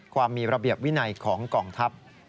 ความมีระเบียบวินัยของกองทัพ